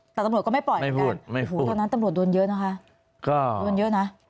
แต่ตำรวจก็ไม่ปล่อยเหมือนกันตอนนั้นตำรวจโดนเยอะนะคะก็โดนเยอะนะ